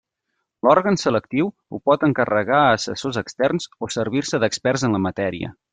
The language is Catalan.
L'òrgan selectiu ho pot encarregar a assessors externs o servir-se d'experts en la matèria.